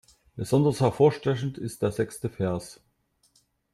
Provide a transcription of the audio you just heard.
Besonders hervorstechend ist der sechste Vers.